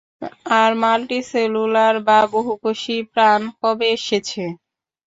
আর multicellular বা বহুকোষী প্রাণ কবে এসেছে?